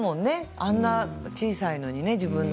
あんなに小さいのにね。